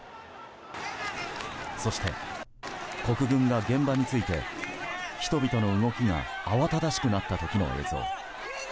そして国軍が現場に着いて人々の動きが慌ただしくなった時の映像。